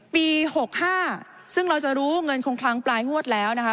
ปี๖๕ซึ่งเราจะรู้เงินคงคลังปลายงวดแล้วนะคะ